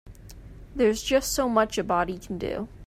There's just so much a body can do.